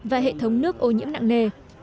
và hệ thống nước ô nhiễm nặng nề